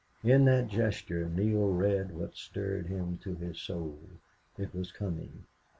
In that gesture Neale read what stirred him to his soul. It was coming.